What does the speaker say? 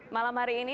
malam hari ini